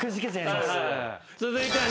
続いては。